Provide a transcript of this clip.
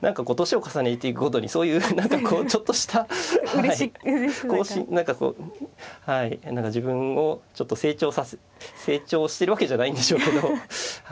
年を重ねていくごとにそういうちょっとした更新何かこう何か自分を成長させる成長しているわけじゃないんでしょうけど。